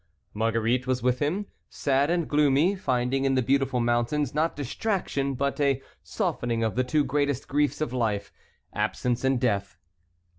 Marguerite was with him, sad and gloomy, finding in the beautiful mountains not distraction but a softening of the two greatest griefs of life,—absence and death.